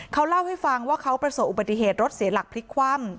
เขาเล่าให้ฟังว่าเขาประสบอุบัติเหตุรถเสียหลักพลิกคว่ำ